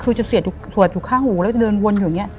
คือจะเสียดอยู่สวดอยู่ข้างหูแล้วก็จะเดินวนอยู่อย่างเงี้ย